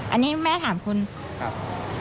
อันนี้แม่ถามคุณครับ